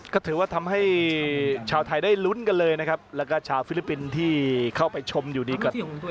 ก็ถือว่าทำให้ชาวไทยได้ลุ้นกันเลยนะครับแล้วก็ชาวฟิลิปปินส์ที่เข้าไปชมอยู่ดีกับ